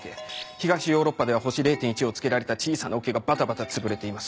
東ヨーロッパでは星０．１をつけられた小さなオケがバタバタ潰れています。